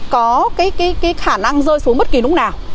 có cái khả năng rơi xuống bất kỳ lúc nào